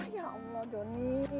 ya allah jonny